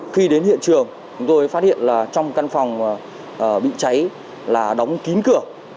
khi đến hiện trường tôi phát hiện trong căn phòng bị cháy là đóng kín cửa